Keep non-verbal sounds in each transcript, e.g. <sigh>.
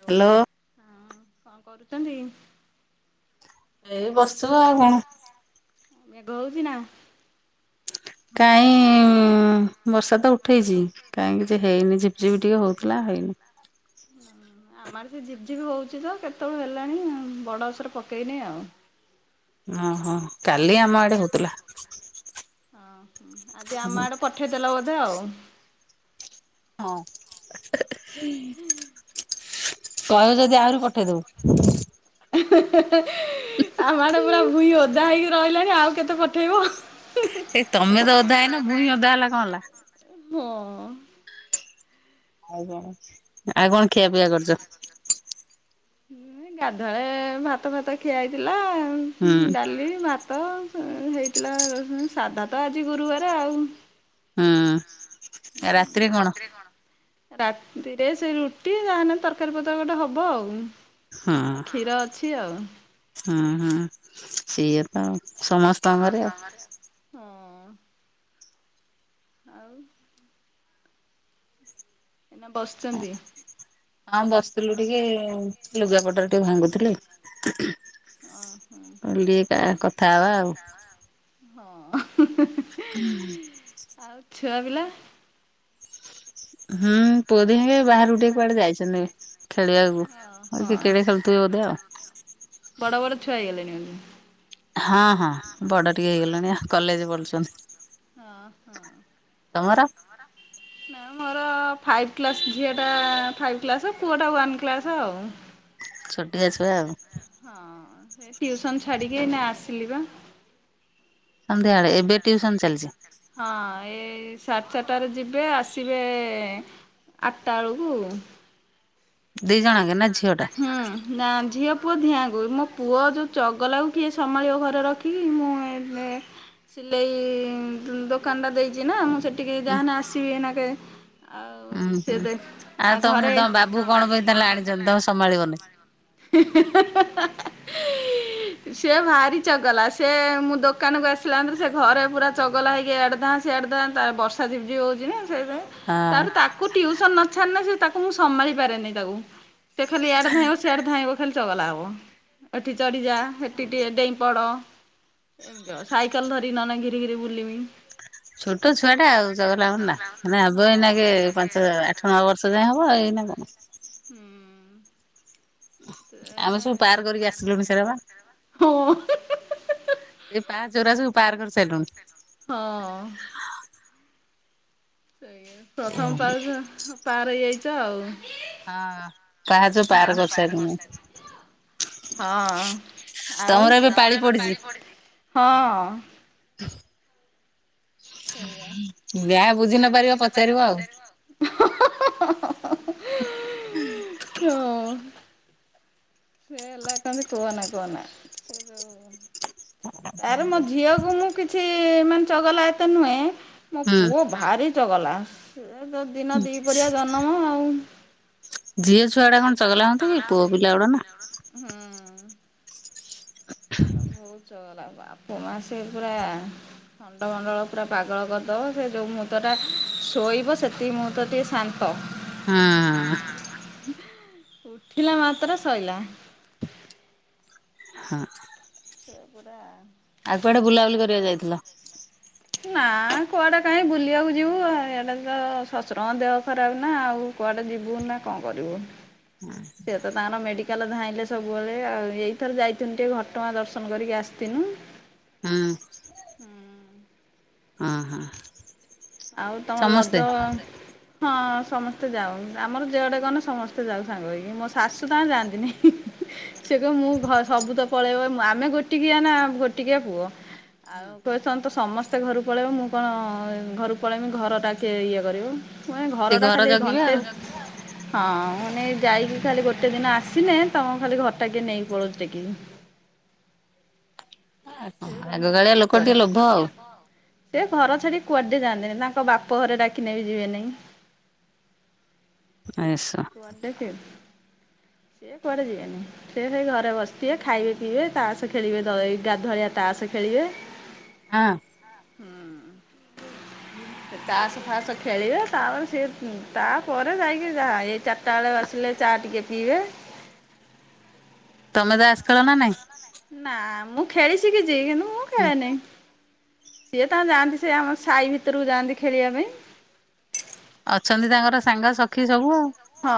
Hello hello. ହଁ କଣ କରୁଚନ୍ତି। ଏଇ ବସିଚୁ ଆଉ କଣ। ମେଘ ହୋଉଚିନା? କାଇଁ ହୁଁ ବର୍ଷା ତ ଉଠେଇଚି କାଇଁ କିଛି ହେଇନି ଝିପ୍ ଝିପ୍ ଟିକେ ହେଉଥିଲା ଆଉ ହେଇନି। ହୁଁ। ଆମ ଆଡେ ସେ ଝିପ୍ ଝିପ୍ ହୋଉଚି ତ କେତେବେଳୁ ହେଲାଣି ବଡ ଯୋରଷରେ ପକେଇନି ଆଉ। ଓଁ ହଁ କାଲି ଆମ ଆଡେ ହୋଉଥିଲା। ଓ ହ ଆଜି ଆମ ଆଡେ ପଠେଇ ଦେଲ ବୋଧେ ଆଉ। ହଁ। କହିବ ଯଦି ଆହୁରି ପଠେଇ ଦୋବୁ। <unintelligible> ଆମ ଆଡେ ପୁରା ଭୂଇଁ ଓଦା ହେଇକି ରହିଲାଣି ଆଉ କେତେ ପଠେଇବ। ହେ ତମେ ତ ଓଦା ହେଇନ ଭୂଇଁ ଓଦା ହେଲା କଣ ହେଲା। ହଁ। ଆଉ କଣ। ଆଉ କଣ ଖିଆ ପିଆ କରିଚ। ହୁଁ ଏ ଗାଧୁଆ ବେଳେ ଭାତ ଫାତ ଖିଆ ହେଇଥିଲା। ହୁଁ ଡାଲି, ଭାତ ଉଁ ହେଇଥିଲା ରୋଷେଇ ସାଧା ତ ଆଜି ଗୁରୁବାର ଆଉ। ହୁଁ। ହୁଁ ରାତିରେ କଣ? ରାତିରେ ସେଇ ରୁଟି ଯାହେନେ ତରକାରୀ ପତର ଗୋଟେ ହବ ଆଉ। ହୁଁ ଆ କ୍ଷୀର ଅଛି ଆଉ। ହୁଁ ହୁଁ, ସିଏ ତ ସମସ୍ତ ସମସ୍ତଙ୍କ ଘରେ ହୁଁ ଆଉ। ଏଇନା ବସିଛନ୍ତି ହାଁ। ଆଉ ବସିଥିଲୁ ଟିକେ-ଏଁ ଲୁଗା ପଟାରା ଟିକେ, ଭାଙ୍ଗୁଥିଲି। ଅ ହଁ କହିଲି ଟିକେ କା କଥା ହବା ଆଉ। ହଁ। ହୁଁ। ଆଉ ଛୁଆ ପିଲା? ହୁଁ, ପୁଅ ଦିହେଁ କେ ବାହାରୁ ଟିକେ କୁଆଡେ ଯାଇଛନି, ଖେଳିବାକୁ ହଁ ଆଉ, ହଁ କିକେଡେ ଖେଳୁଥିବେ ବୋଧେ ଆଉ! ବଡ଼ ବଡ଼ ଛୁଆ ହେଇଗଲେଣିି ମାନେ ହଁ, ହଁ ବଡ ଟିକେ ହେଇଗଲେଣି, ଆ କଲେଜ ପଲୁଛନ୍ତି। ହଁ, ହଁ। ମୋର ଫାଇଭ୍ କ୍ଲାସ୍ ଝିଅଟା-ଆ ଫାଇଭ୍ କ୍ଲାସ୍, ପୁଅଟା ୱାନ୍ କ୍ଲାସ୍ ଆଉ। ଛୋଟିଆ ଛୁଆ ଆଉ। ହଁ, ଏ ଟ୍ୟୁଉସନ୍ ଛାଡିକି ଏଇନା ଆସିଲି ବା! ସନ୍ଧ୍ୟାଏଳେ ଏବେ ଟିଉସନ୍ ଚାଲିଛି। ହଁ, ଏଇ ସାଢେ ଚାରିଟାରେ ଯିବେ ଆସିବେ-ଏଁ ଆ ଅଟ୍ଟା ଅଳକୁ। ଦି ଜଣଯାକ ନା ଝିଅ ଟା? ହୁଁ। ନା ଝିଅ ପୁଅ ଦିହାଙ୍କୁ ଆଁଙ୍କୁୁ ମୋ ପୁଅ ଯଉଁ ଚଗଲାକୁ କିଏ ସମ୍ଭାଳିବ ଘରେ ରଖିକି? ମୁଁ ଏବ ଲେ, ସିଲେଇ-ଇ ଦୋକାନ ଟା ଦେଇଛି ନା, ମୁଁ ସେଠିକି ଉଁ ଯାହା ନା ଆସିବି, ଏନାକେ ଆଉ, ହୁଁ ସିଏ ହୁଁ। ଦେ ଆଉ ଆ ତମକୁ ଘରେ ତମ ବାବୁ କଣ ପାଇଁ ତାହେଲେ ଆଣିଛନ୍ତି ତମେ ସମ୍ଭାଳିବନି? <inaudible> ସିଏ ଭାରି ଚଗଲା, ସେ ମୁଁ ଦୋକାନକୁ ଆସିଲା ମାତ୍ରେ, ସେ ଘରେ ପୁରା ଚଗଲା ହେଇକି ଏଆଡେ ଧାଁ ସେ ସିଆଡ଼େ ଧାଁ, ତା ବର୍ଷା ଝିପ୍ ଝିପ୍ ହଉଛି ନା, ସେଥାଇଁ ହଁ ତାର ତାକୁ ଟିଉସନେ ନଛାଡ଼ନେ, ସେ ତାକୁ ମୁଁ ସମାଳି ପାରେନି ତାକୁ। ସେ ଖାଲି ଇଆଡ଼େ ଧାଇଁ ଆସୁ ସେଆଡେ ଧାଇଁବ ଖାଲି ଚଗଲା ହବ। ଏଠି ଚଢିଯା, ହେଠି ଟିକେ ଡେଇଁପଡ। ଏମିତି ଆଉ, ସାଇକେଲ ଧରି ନ ଘିରି ଘିରି ବୁଲମି। ଛୋଟ ଛୁଆଟା ଆଉ, ଚଗଲା ହବନ୍ ନା। ଏନା ହବ, ହଁ ଏଇନାଗେ ହୁଁ ପାଞ୍ଚ ଆଠ ନଅ ବର୍ଷ ଯାଏଁ ହବ, ଏଇନା କଣ? ହୁଁ। ଆମେ ସବୁ ନାଇଁ ପାର କରିକି ଆସିଲୁଣି, ସେରାପା! ହଁ ସେଇ ପାହା ଚରା ସବୁ ପାର୍ କରି ସାଇଲୁଣି। ହଁ। ସେଇଆ, ପ୍ରଥମ ହଁ ପାହାଚ ପାର୍ ହେଇଯାଇଛ, ଆଉ। ହଁ, ପାହାଚ ପାର କରିସାଇଲୁଣୁ। ହଁ, ଆଉ, ତମର ଏବେ ପାଳି ପଡିଛି ହଁ। ସେଇଆ ଜାହା ବୁଝି ନ ପାରିବ! ପଚାରିବ ଆଉ। ହଁ। ସେ ହେଲା କହନ୍ତି, କୁହନା କୁହନା ସେ ଯଉ, ଆରେ ମୋ ଝିଅ ମୁଁ କିଛି-ଇ ମାନେ ଚଗଲା ଏତେ ନୁହେଁ, ମୋ ହୁଁ ପୁଅ ଭାରି ଚଗଲା। ସେ ତ ଦିନ ଦି ପହରିିଆ ଜନମ ଆଉଁ। ଝିଅ ଛୁଆଡା କଣ ଚଗଲା ହନ୍ତି କି? ପୁଅ ପିଲା ଗୁଡା ନା ହୁଁ। ହ ବହୁତ ଚଗଲା, ବାପ ମା ସେ ପୁରା ଖଣ୍ଡମଣ୍ଡଳ ପୁରା ପାଗଳ କରିଦବ ସେ ଯୋଉ ମୁହୂର୍ତ୍ତ ଟା ଶୋଇବ ସେତିକି ମୁହୂର୍ତ୍ତ ଟିକେ ଶା ନ୍ତ। ହୁଁ। ଉଠିଲା ମାତ୍ର ସଇଲା। ହଁ। <unintelligible> ଆଉ କୁଆଡେ ବୁଲାବୁଲି କରିବାକୁ ଯାଇଥିଲ? ନା କୁଆଡେ କାଇଁ ବୁଲିବାକୁ ଯିବୁ ଆ ଇଆଡା ତ ଶଶୁରଙ୍କ ଦେହ ଖରାପ ନା ଆଉ କୁଆଡେ ଯିବୁ ନା କଣ କରିବୁ। ସେ ତ ତାଙ୍କର ମେଡି କାଲ ଧାଇଁଲେ ସବୁବେଳେ ଆଉ। ଏଇଥର ଯାଇଥିନୁ ଟିକେ ଘଟଗାଁ ଦର୍ଶନ କରିକି ଆସିଥିନୁ। ହଁ। ହୁଁ। ଅଁ ହଁ। ଆଉ ତମର ରଜ ସମସ୍ତେ। ହଁ ସମସ୍ତେ ଯାଉ ଆମର ଯେଆଡ଼େ ଗଲେ ସମସ୍ତେ ଯାଉ ସାଙ୍ଗ ହୋଇକି ମୋ ଶାଶୁ ତାଙ୍କର ଯାଆନ୍ତିନି। ସେ କହିବେ ମୁଁ ଘ ସବୁ ତ ପଳେଇବ ମୁଁ ଆମେ ଗୋଟିକିଆ ନା ଗୋଟିକିଆ ପୁଅ। ଆଉ କହିବେ ତ ସମସ୍ତେ ଘରୁ ପଳେଇବ ମୁଁ କଣ ଘରୁ ପଳେଇମି ଘର ଟା କିଏ ଇଏ କରିବ। ମୁଁ କହିବି ସେ ଘରଟା ଘର ଖାଲି ଏଇ ଜଗିବେ ଘଣ୍ଟେ ଆଉ ହଁ ମୁଁ ନେଇ ଯାଇକି ଖାଲି ଗୋଟେ ଦିନ ଆସିନେ ତମ ଖାଲି ଘରଟା କିଏ ନେଇକି ପଳଉଚି ଟେକୀକି। ସେ ଜମା ଆଗକାଳିଆ ଯିବେନି ଲୋକ ଟିକେ କୁଆଡେ। ଲୋଭ ଆଉ ସେ ଘର ଛାଡିକି କୁଆଡେ ଯାଆନ୍ତିନି ତାଙ୍କ ବାପ ଘରେ ଡାକିନେ ବି ଯିବେ ନେଇଁ। ଆସ୍ <unintelligible> ସେ କୁଆଡେ ଯିବେନି। ସେ ସେଇ ଘରେ ବସିଥିବେ ଖାଇବେ ପିଇବେ ତାସ ଖେଳିବେ ଏଇ ଗାଧୁଆଳିଆ ତାସ ଖେଳିବେ। ହଁ। ହୁଁ। ତାସ ଫାସ ଖେଳିବେ ତାପରେ ସିଏ ତାପରେ ଯାଇକି ଯାହା। ଚାରିଟା ବେଳେ ଆସିଲେ ଚା ଟିକେ ପିଇବେ। ତମେ ତାସ ଖେଳ ନା ନାଇଁ? ନା ମୁଁ ଖେଳି ସିକିଚି। କିନ୍ତୁ ମୁଁ ଖେଳେ ନେଇଁ। ସିଏ ତା ଯାଆନ୍ତି ସେ ଆମ ସାହି ଭିତରକୁ ଯାଆନ୍ତି ଖେଳିବା ପାଇଁ। ଅଛନ୍ତି ତାଙ୍କର ସାଙ୍ଗସଖୀ ସବୁ ଆଉ। ହଁ।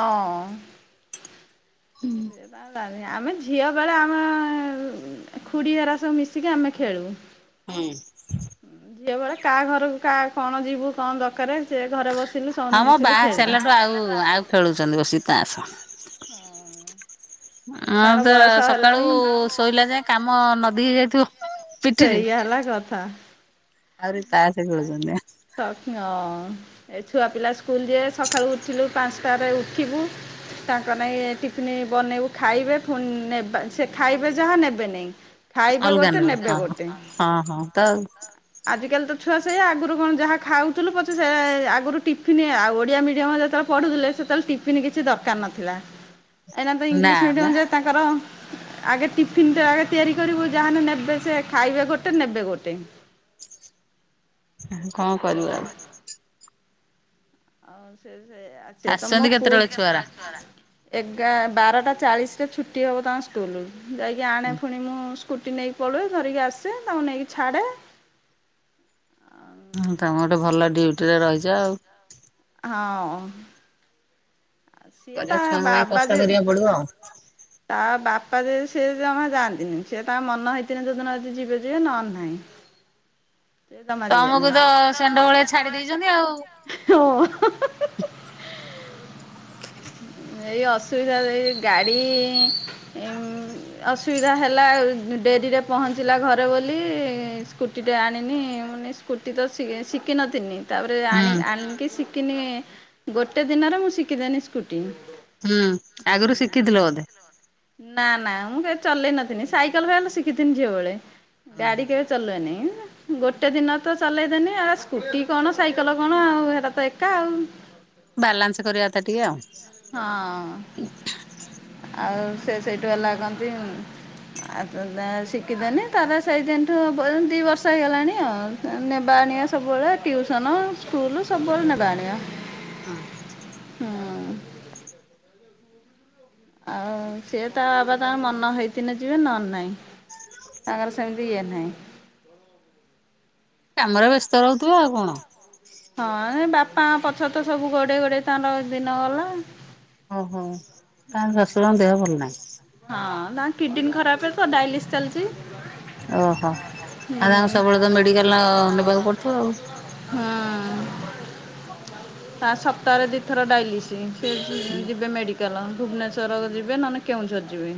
ହୁଁ। <unintelligible> ଆମେ ଝିଅ ବେଳେ ଆମ ଖୁଡ଼ି ହେରା ସବୁ ମିଶିକି ଆମେ ଖେଳୁ। ହୁଁ। ଝିଅ ବେଳେ କା ଘରକୁ କା କଣ ଯିବୁ କଣ ଦରକାର। ସେ ଘରେ ବସିଲୁ ସମସ୍ତେ ମିଶିଲୁ ଖେଳିଲୁ। ଖେଳୁଚନ୍ତି ବସିକି ତାସ। ହଁ। ସେ ତାର ଆମେ ତ ବୟସ ସକାଳୁ ହେଲାଣି। ଶୋଇଲା ଯାଏ କାମ ନଦୀ ହେଇ ଯାଇଥିବ। ସେଇଆ ହେଲା କଥା। ଆହୁରି ତାସ ଖେଳୁଚନ୍ତି ଆ। <unintelligible> ଏ ଛୁଆ ପିଲା ସ୍କୁଲ ଜିବେ ସକାଳୁ ଉଠିଲୁ ପାଞ୍ଚଟରେ ଉଠିବୁ ତାଙ୍କର ନାଇଁ ଟିଫିନି ବନେଇବୁ ଖାଇବେ ପୁଣି ନେବା ସେ ଖାଇବେ ଯାହା ନେବେ ନେଇଁ। ଖାଇବେ ଅଲଗା ଗୋଟେ ନେଲେ ନେବେ ହଁ ଗୋଟେ। ହଁ ହଁ ତ ଆଜିକାଲି ତ ଛୁଆ ସେଇଆ ଆଗରୁ କଣ ଯାହା ଖାଉଥିଲୁ ପଛେ ସେ ଆଗରୁ ଟିଫିନ ଆଉ ଓଡ଼ିଆ ମିଡିୟମ ଯେତେବେଳେ ପଢୁଥିଲେ ସେତେବେଳେ ଟିଫ ଫିନ କିଛି ଦରକାର ନଥିଲା। ଏଇନା ତ ନା ଇଂଲିଶ ମିଡିୟମ ମ ଯେ ତାଙ୍କର ଆଗେ ଟିଫିନ ଟା ଆଗେ ତିଆରି କରିବୁ ଯାହା ହେନେ ନେବେ ସେ ଖାଇବେ ଗୋଟେ ନେବେ ଗୋଟେ। କଣ ସେ କରିବ ଆଉ। ଆଉ ସେ ସେଇଆ ଆ, ସେ ତ ମୋ ଆସିଛନ୍ତି ପୁଅ କେତେବେଳେ ଛୁଆରା? ଏଗା ବାରଟା ଚାଳିଶରେ ଛୁଟି ହେବ ତାଙ୍କ ସ୍କୁଲରୁ ଯାଇକି ଆଣେ ଫୁଣି ମୁଁ ସ୍କୁଟି ନେଇକି ପଳୁଏ ଧରିକି ଆସେ ତାଙ୍କୁ ନେଇକି ଛାଡ଼େ। ହଁ ତମେ ଗୋଟେ ଭଲ ଡ୍ୟୁଟିରେ ରହିଛ ଆଉ। ହଁ। ଆଉ ସିଏ ତା କରିବା ଛୁଆଙ୍କ ପାଇଁ ବାବା କଷ୍ଟ ଯେ କରିବାକୁ ପଡିବ ଆଉ। ତା ବାପା ଯେ ସେଏ ଜମା ଯାଆନ୍ତିନି ସେ ତାଙ୍କ ମନ ହେଇଥିଲେ ଯଉ ଦିନ ଯଦି ଯିବେ ଯିବେ ନହଲେ ନାହିଁ। ସେ ଜମା ଯିବେନି। ତମକୁ ତ ଷେଣ୍ଢ ଭଳିଆ ଛାଡି ଦେଇଛନ୍ତି ଆଉ। ହଁ ହଁ ହ। ଏଇ ଅସୁବିଧା ଦେଇ, ଗାଡ଼ି ଉଁ ଅସୁବିଧା ହେଲା ଆଉ। ଡେରିରେ ପହଞ୍ଚିଲା ଘରେ ବୋଲି ସ୍କୁଟିଟେ ଆଣିନି, ମୁଁ କହିନି ସ୍କୁଟି ତ ଶିଖିନଥିନି। ତାପରେ ହୁଁ ଆଣି ଆଣିକି ଶିଖିନି ଗୋଟେ ଦିନରେ ମୁଁ ଶିଖିଦେନି ସ୍କୁଟି। ହୁଁ ଆଗରୁ ଶିଖିଥିଲ ବୋଧେ? ନା ନା ମୁଁ କେବେ ଚଲେଇ ନଥିନି, ସାଇକଲ ଫାଇକଲ ଶିଖିଥିନି ଝିଅବେଳେ। ହୁଁ ଗାଡି ହୁଁ କେବେ ଚଲୁଏନି। ଗୋଟେ ଦିନ ତ ଚଲେଇଦେନି, ଏ ସ୍କୁଟି କଣ ସାଇକଲ କଣ ଆଉ ହେରା ତ ଏକା ଆଉ। ବାଲାନ୍ସ କରିବା କଥା ଟିକେ ଆଉ ହଁ, ଆଉ ସେ ସେଇଠୁ ହେଲା କନ୍ତି ଆଉ ତ ତ ଶିଖିଦେନି ତାର ସେଇଦିନଠୁ ଦି ବର୍ଷ ହେଇଗଲାଣି ଆଉ। ନେବା ଆଣିବା ସବୁବେଳେ ଟିଉସନ, ସ୍କୁଲ ସବୁବେଳେ ନେବା ଆଣିବା। ହଁ। ହୁଁ। ଆଉ ସିଏ ତା ବାବା ତାଙ୍କ ମନ ହେଇଥିନେ ଯିବେ ନହେନେ ନାହିଁ, ତାଙ୍କର ସେମିତି ବିଏ ନାହିଁ। କାମରେ ବ୍ୟସ୍ତ ରହୁଥିବ ଆଉ କଣ? ହଁ ଏ ବାପାଙ୍କ ପଛରେ ତ ସବୁ ଗୋଡେଇ ଗୋଡେଇ ତାଙ୍କର ଦିନ ଗଲା। ଓହୋ ତାଙ୍କ ଶଶୁରଙ୍କ ଦେହ ଭଲ ନାହିଁ। ହଁ ତାଙ୍କ କିଡ଼ନୀ ଖରାପ ତ ଡାଇଲିସ୍ ଚାଲିଛି। ଓହୋ, ହୁଁ ଆଉ ତାଙ୍କୁ ସବୁବେଳେ ତ ମେଡିକାଲ ନେବାକୁ ପଡୁଥିବ ଆଉ। ହଁ ତା ସପ୍ତାହରେ ଦିଥର ଡାଇଲିସ। ସେ ଯିବେ ମେଡ଼ିକାଲ, ଭୁବନେଶ୍ୱର ଯିବେ ନହଲେ କେଉଁଝର ଯିବେ।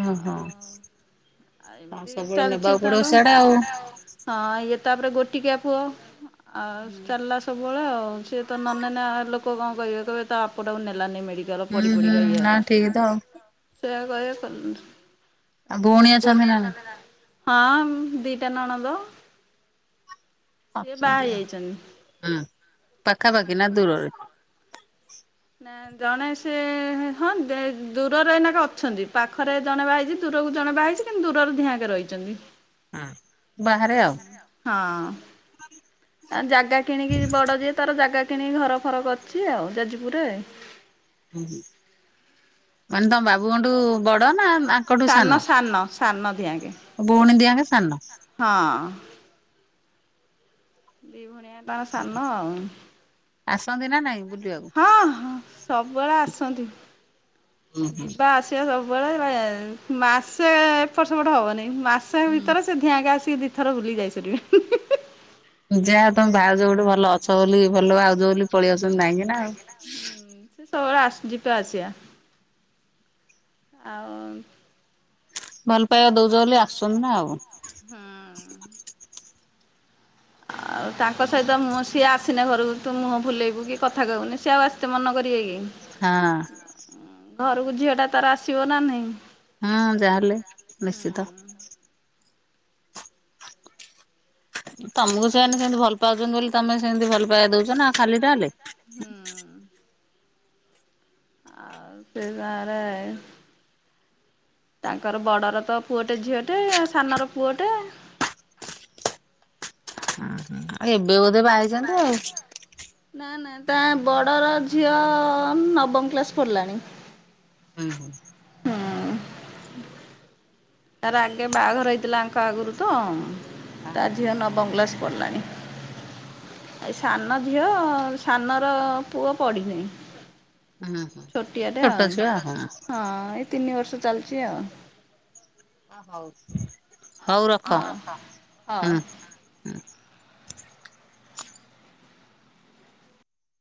ଓ ହୋ। ଆଉ ଏମତି ଚାଲିଛି ତାର ସିଆଡେ ଆଉ ହଁ ଇଏ ତାପରେ ଗୋଟିକିଆ ପୁଅ, ଆଉ ହୁଁ ଚାଲିଲସ ସବୁବେଳେ ଆଉ। ସିଏ ତ ନ ନେ ଏକ ଲୋକ କଣ କହିବେ କହିବେ ତା ଆପଟାକୁ ନେଲାନି ମେଡ଼ି କାଲ ପଡି ହୁଁ ହୁଁ ପଡ଼ିକା ଇଏ ନା ହେଲା, ଠିକ ତ ଆଉ ସେୟା କହିବେ ଆଉ ଭଉଣୀ ଆସ ହଁ, ଦିଟା ନଣନ୍ଦ। ଅଛନ୍ତି ଆଉ, ହୁଁ ପାଖାପାଖି ନା ଦୂରରେ? ନା ଜଣେ ସେ ହଁ ଦେ ଦୂରରେ ଏଇନାକେ ଅଛନ୍ତି ପାଖରେ ଜଣେ ବାହା ହେଇଛି। ଦୂରକୁ ଜଣେ ବାହା ହେଇଛି। କିନ୍ତୁ ଦୂରରେ ଧିଆଙ୍କେ ରହିଛନ୍ତି ହଁ ବାହାରେ ଆଉ ହଁ। ଆ ଜାଗା କିଣିକି, ବଡ ଯିଏ ତାର ଜାଗା କିଣିକି ଘର ଫର କରିଛି ଆଉ ଯାଜପୁରରେ। ମାନେ ତମ ବାବୁଙ୍କଠୁ ବଡ ନା, ନା ଆଙ୍କଟୁ ସାନ। ଭଉଣୀ ଦିହାକେ ସାନ। ହଁ। ଦି ଭଉଣୀ ଆଙ୍କ ତାର ସାନ ଆଉ। ଆସନ୍ତି ନା ନାଇଁ ବୁଲିବାକୁ। ହଁ ହଁ ସବୁବେଳେ ଆସନ୍ତି ହୁଁ ହୁଁ। ଯିବା ଆସ ସିଏ ସବୁବେଳେ ରହେ, ମାସେ ଏପଟ ସେପଟ ହବନି, ମାସେ ହୁଁ ଭିତରେ ସେ ସେ ଧିଆଙ୍କ ଆସିକି ଦିଥର ବୁଲିକି ଯାଇସାରିବେ। ଯାହା ତମେ ଭାଉଜ ଗୋଟେ ଭଲ ଅଛ ବୋଲି ଭାଉଜ ବୋଲି ପଳେଇଆସୁଛନ୍ତି ନାଇଁକି। ନା ଆଉ। ହୁଁ। ସେ ସବୁବେଳେ ଆସ ଯିବା ଆସିବା, ଆଉ ଭଲ ପାଇବା ଦୋଉଛ ବୋଲି ଆସୁଛନ୍ତି ନା ଆଉ। ହୁଁ। ଆଉ ତାଙ୍କ ସହିତ ମୁଁ ସିଏ ଆସିନେ ଘରକୁ ତୁ ମୁହଁ ଭୁଲେଇବୁ କି କଥା କହିବୁନି ସିଏ ଆଉ ଆସିତେ ମନ କରିବେ କିି? ହଁ। ଘରକୁ ଝିଅ ଟା ତାର ଆସିବ ନା ନାଇଁ? ହଁ ଯାହେଲେ ନିଶ୍ଚିତ। ତମକୁ ଆଉ ସେମାନେ ସେମିତି ଭଲ ପାଉଛନ୍ତି ବୋଲି ତମେ ସେମିତି ଭଲ ପାଇବା ଦଉଛ ନା ଖାଲି ଟା ହେଲେ। ହୁଁ ଆଉ ସେ ଟଙ୍କାରେ। ତାଙ୍କର ବଡ଼ର ତ ପୁଅଟେ ଝିଅଟେ ସାନର ପୁଅଟେ। ଆଉ ଏବେ ବୋଧେ ବାହା ହେ ବାହା ହୋଇଛନ୍ତି ଆଉ। ନା ନା ତା ବଡ଼ର ଝିଅ ନବମ କ୍ଲାସ୍ ପଢ଼ିଲାଣି। ହୁଁ ହୁଁ ହୁଁ ତାର ଆଗେ ବାହାଘର ହେଇଥିଲା ଆଙ୍କ ଆଗରୁ ତ ଆ ତା ଝିଅ ନବମକ୍ଲାସ୍ ପଡ଼ିଲାଣି। ଏଇ ସାନଝିଅ ସାନର ପୁଅ ପଢ଼ିନେଇଁ। ହୁଁ ହୁଁ ଛୋଟିଆ ଟେ ଛୋଟ ଛୁଆ ହଁ ଏଇ ତିନିବର୍ଷ ଚାଲିଚି ଆଉ। ଅ ହଉ। ରଖ ହଁ ହଁ ହୁଁ। ହ